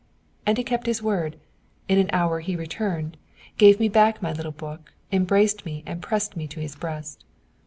And he kept his word. In an hour he returned, gave me back my little book, embraced me and pressed me to his breast.